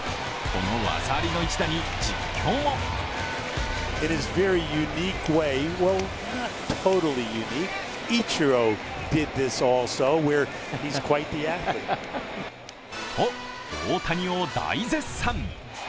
この技ありの一打に、実況もと大谷を大絶賛。